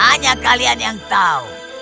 hanya kalian yang tahu